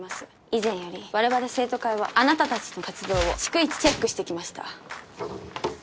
以前より我々生徒会はあなたたちの活動を逐一チェックしてきました